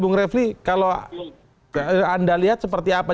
bung refli kalau anda lihat seperti apa